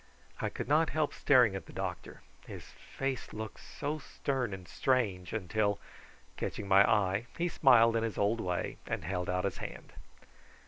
I could not help staring at the doctor: his face looked so stern and strange till, catching my eye, he smiled in his old way, and held out his hand.